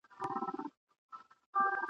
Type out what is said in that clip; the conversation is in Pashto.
دا يې پر نارينه باندي پېرزوينه وي